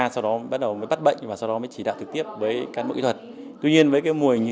sau đó bắt đầu bắt bệnh và sau đó chỉ đạo trực tiếp với các mẫu kỹ thuật